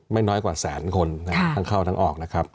ไม่น้อยกว่าแสนคนทั้งเข้าทั้งออก